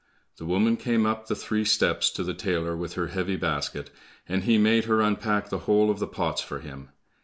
The woman came up the three steps to the tailor with her heavy basket, and he made her unpack the whole of the pots for him.